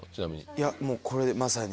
いやもうこれでまさに。